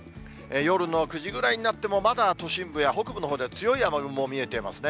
夜の９時ぐらいになっても、まだ都心部や北部のほうで強い雨雲見えていますね。